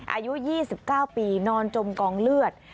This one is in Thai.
อายุ๒๙ปีนอนจมกองเลือด